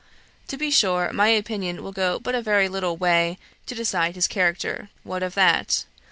To be sure, my opinion will go but a very little way to decide his character; what of that?